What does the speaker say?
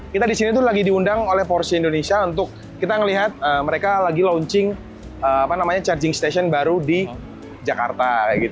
kita disini tuh lagi diundang oleh porsi indonesia untuk kita melihat mereka lagi launching charging station baru di jakarta